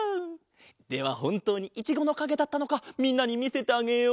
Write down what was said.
ではほんとうにいちごのかげだったのかみんなにみせてあげよう！